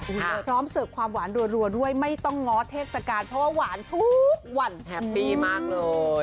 พร้อมเสิร์ฟความหวานรัวด้วยไม่ต้องง้อเทศกาลเพราะว่าหวานทุกวันแฮปปี้มากเลย